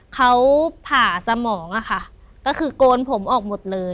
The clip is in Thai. เขาผ่าสมองอะค่ะก็คือโกนผมออกหมดเลย